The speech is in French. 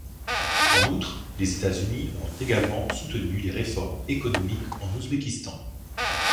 En outre, les États-Unis ont également soutenu les réformes économiques en Ouzbékistan.